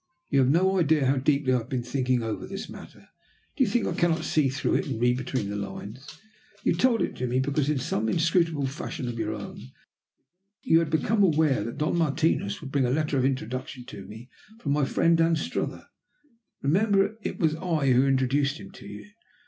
You have no idea how deeply I have been thinking over this matter. Do you think I cannot see through it and read between the lines? You told it to me because in some inscrutable fashion of your own you had become aware that Don Martinos would bring a letter of introduction to me from my friend Anstruther. Remember it was I who introduced him to you!